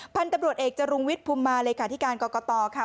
พันธุ์ตำรวจเอกจรุงวิทย์ภูมิมาเลยค่ะที่การกรกตค่ะ